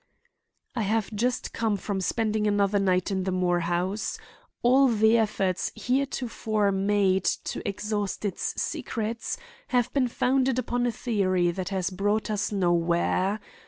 "I have just come from spending another night in the Moore house. All the efforts heretofore made to exhaust its secrets have been founded upon a theory that has brought us nowhere.